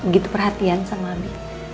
gitu perhatian sama abi